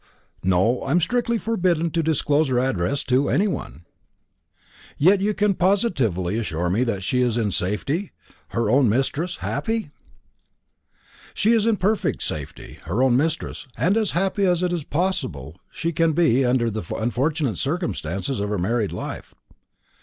"No; I am strictly forbidden to disclose her address to any one." "Yet you can positively assure me that she is in safety her own mistress happy?" "She is in perfect safety her own mistress and as happy as it is possible she can be under the unfortunate circumstances of her married life.